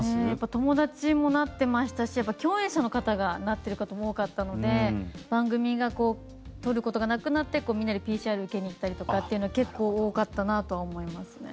友達もなっていましたし共演者の方がなっている方も多かったので番組を撮ることがなくなってみんなでＰＣＲを受けに行ったりとか結構多かったなって思いますね。